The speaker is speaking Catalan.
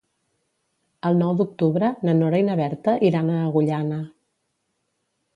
El nou d'octubre na Nora i na Berta iran a Agullana.